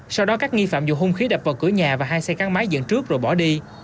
sau đó các nghi phạm dùng hung khí đập vào cửa nhà và hai xe gắn máy dựng trước rồi bỏ đi